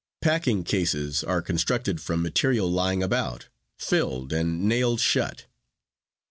Packing cases are constructed from material lying about, filled, and nailed shut.